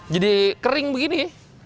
jadi kering begini